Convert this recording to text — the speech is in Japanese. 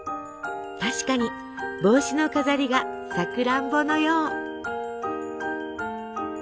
確かに帽子の飾りがさくらんぼのよう。